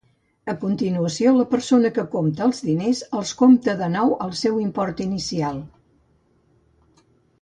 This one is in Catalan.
A continuació, la persona que compta els diners els compta de nou al seu import inicial.